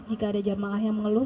jika ada jamaah yang mengeluh